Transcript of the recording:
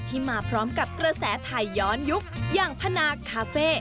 มาพร้อมกับกระแสไทยย้อนยุคอย่างพนาคาเฟ่